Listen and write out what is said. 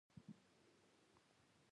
شورا فیصلې له پامه ونه غورځول شي.